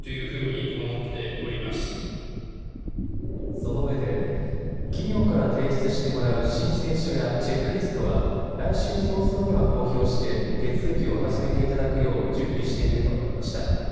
そのうえで企業から提出してもらう申請書やチェックリストは来週早々には公表して手続きを始めていただくよう準備していると述べました。